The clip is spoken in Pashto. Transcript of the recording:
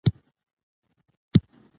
د خدای د ليدلو لپاره اماده سئ که غواړئ.